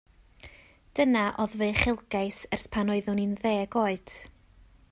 Dyna oedd fy uchelgais ers pan oeddwn i'n ddeg oed.